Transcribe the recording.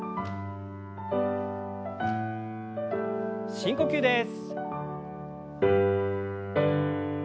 深呼吸です。